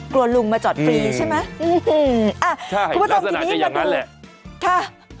กลัวลุงมาจอดฟรีใช่ไหมอ่าคุณผู้ชมที่นี่มาดูค่ะ